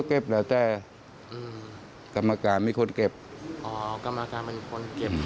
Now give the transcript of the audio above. ก็แล้วแต่อืมกรรมการมีคนเก็บอ๋อกรรมการเป็นคนเก็บ